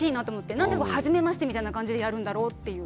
何ではじめましてみたいな感じでやるんだろうって。